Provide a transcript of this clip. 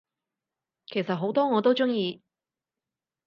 其實好多我都鍾意